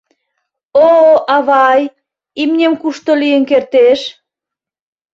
О-о, авай, имнем кушто лийын кертеш?